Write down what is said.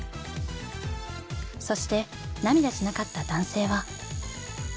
そして涙しなかった男性は。